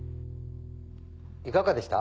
いかがでした？